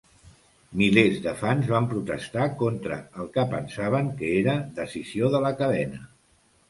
Milers de fans van protestar contra el que pensaven que era decisió de la cadena.